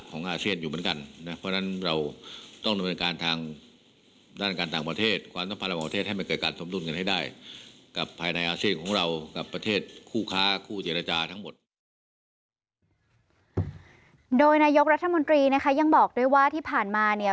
โดยนายกรัฐมนตรีนะคะยังบอกด้วยว่าที่ผ่านมาเนี่ย